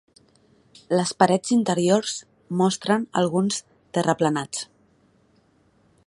Les parets interiors mostren alguns terraplenats.